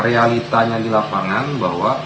realitanya di lapangan bahwa